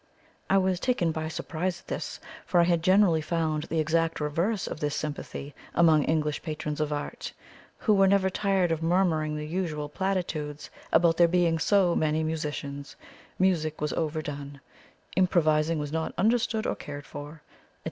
I was taken by surprise at this, for I had generally found the exact reverse of this sympathy among English patrons of art, who were never tired of murmuring the usual platitudes about there being "so many musicians," "music was overdone," "improvising was not understood or cared for," etc.